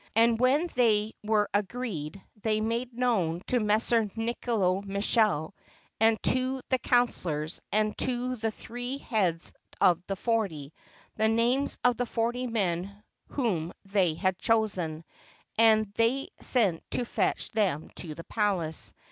And when they were agreed, they made known to Messer Nicolao Michele, and to the councilors, and to the three heads of the forty, the names of the forty men whom they had chosen; and they sent to fetch them to the palace.